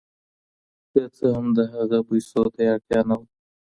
که څه هم د هغه پیسو ته یې اړتیا نه وه.